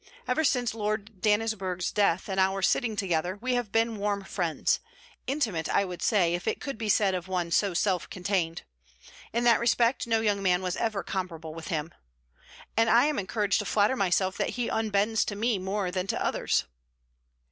Ever since Lord Dannisburgh's death and our sitting together, we have been warm friends intimate, I would say, if it could be said of one so self contained. In that respect, no young man was ever comparable with him. And I am encouraged to flatter myself that he unbends to me more than to others.'